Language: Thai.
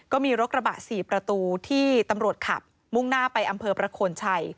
ก็มีรถกระบะ๔ประตูที่ตำรวจขับมุ่งหน้าไปอำเภอประโคนชัย